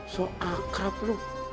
sok akrab lu